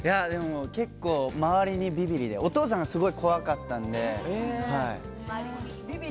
結構周りにビビリで、お父さん、すごい怖かったんで。